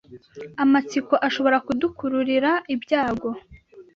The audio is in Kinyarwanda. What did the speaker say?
amatsiko ashobora kudukururira ibyago